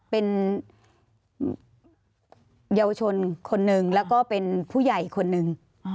เป็นเยาวชนคนหนึ่งแล้วก็เป็นผู้ใหญ่คนหนึ่ง